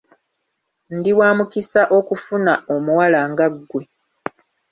Ndi wa mukisa okufuna omuwala nga gwe.